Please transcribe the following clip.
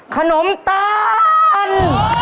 ขนมตาล